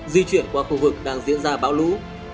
di chuyển qua khu vực đang diễn ra bão lũ